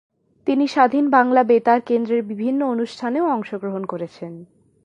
তিনি স্বাধীন বাংলা বেতার কেন্দ্রের বিভিন্ন অনুষ্ঠানেও অংশগ্রহণ করেছেন।